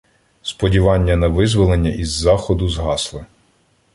Сподівання на визволення із заходу згасли.